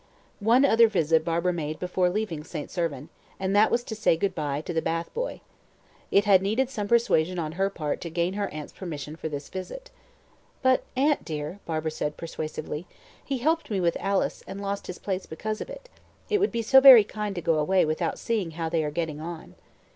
One other visit Barbara made before leaving St. Servan, and that was to say good bye to the bath boy. It had needed some persuasion on her part to gain her aunt's permission for this visit. "But, aunt, dear," Barbara said persuasively, "he helped me with Alice, and lost his place because of it. It would be so very unkind to go away without seeing how they are getting on."